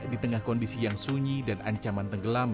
di tengah kondisi yang sunyi dan ancaman tenggelam